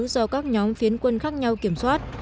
do các nhóm phiến quân khác nhau kiểm soát